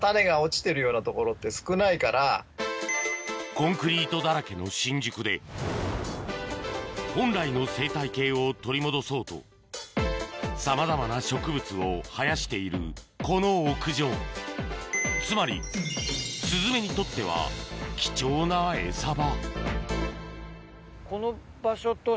コンクリートだらけの新宿で本来の生態系を取り戻そうとさまざまな植物を生やしているこの屋上つまりスズメにとっては貴重なエサ場